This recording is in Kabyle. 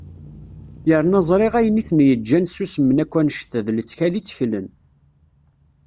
Yerna ẓriɣ ayen i ten-yeǧǧan susmen akk anect-a d lettkal i tteklen.